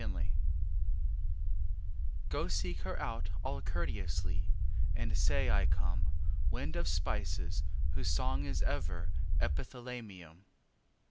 XIII Go seek her out all courteously, And say I come, Wind of spices whose song is ever Epithalamium.